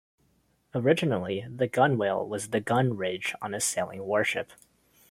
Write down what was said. Originally the gunwale was the "gun ridge" on a sailing warship.